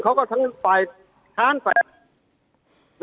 เขาก็ทั้งฝ่ายทาง